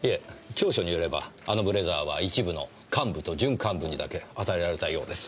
調書によればあのブレザーは一部の幹部と準幹部にだけ与えられたようです。